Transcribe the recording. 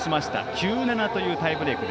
９−７というタイブレーク。